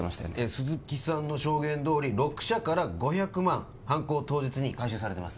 鈴木さんの証言どおり６社から５００万犯行当日に回収されてます